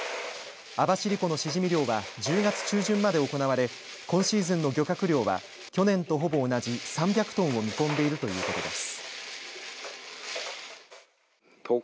網走湖のシジミ漁は１０月中旬まで行われ今シーズンの漁獲量は去年とほぼ同じ３００トンを見込んでいるということです。